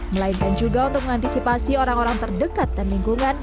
melainkan juga untuk mengantisipasi orang orang terdekat dan lingkungan